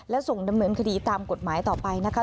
และส่งดำเนินคดีตามกฎหมายต่อไปนะคะ